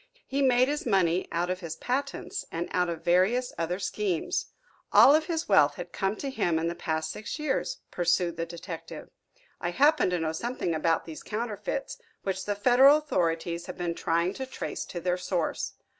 "He made his money out of his patents and out of various other schemes." "All of his wealth has come to him in the past six years," pursued the detective. "I happen to know something about these counterfeits, which the federal authorities have been trying to trace to their source.